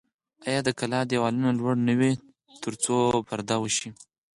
آیا د کلا دیوالونه لوړ نه وي ترڅو پرده وشي؟